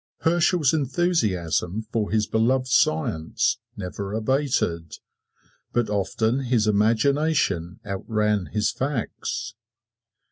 Herschel's enthusiasm for his beloved science never abated. But often his imagination outran his facts.